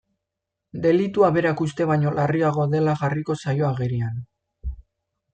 Delitua berak uste baino larriagoa dela jarriko zaio agerian.